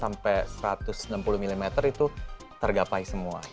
sampai satu ratus enam puluh mm itu tergapai semua